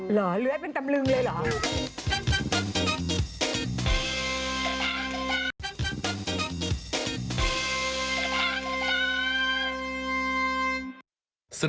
เหรอเลื้อยเป็นตำลึงเลยเหรอ